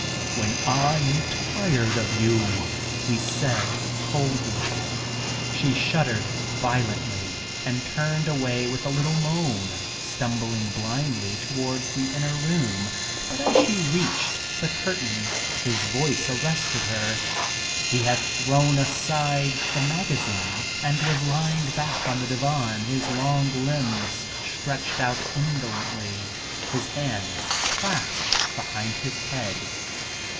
"When I am tired of you," he said coldly. She shuddered violently and turned away with a little moan, stumbling blindly towards the inner room, but as she reached the curtains his voice arrested her. He had thrown aside the magazine and was lying back on the divan, his long limbs stretched out indolently, his hands clasped behind his head.